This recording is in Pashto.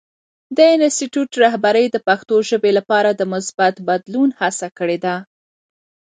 د انسټیټوت رهبرۍ د پښتو ژبې لپاره د مثبت بدلون هڅه کړې ده.